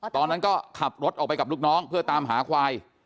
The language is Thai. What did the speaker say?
ตอนนั้นก็ขับรถออกไปกับลูกน้องเพื่อตามหาควาย